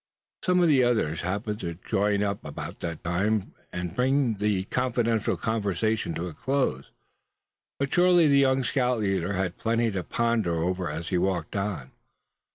Some of the others happening to push up about that time brought the confidential conversation to a close. But surely the young scout leader had plenty to ponder over as he walked on.